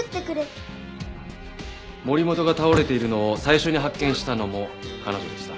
森本が倒れているのを最初に発見したのも彼女でした。